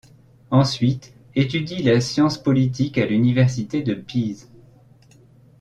Ensuite étudie la science politique à l'Université de Pise.